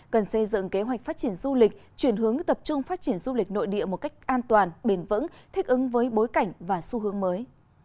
cần xây dựng kế hoạch phát triển du lịch chuyển hướng tập trung phát triển du lịch nội địa một cách an toàn bền vững thích ứng với bối cảnh và xu hướng mới